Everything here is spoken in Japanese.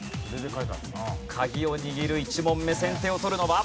鍵を握る１問目先手を取るのは。